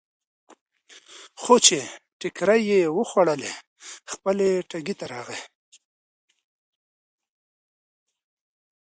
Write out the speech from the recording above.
خو چې ټکرې یې وخوړلې، خپل ټکي ته راغی.